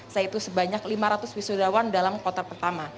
yaitu sebanyak lima ratus wisudawan dalam kloter pertama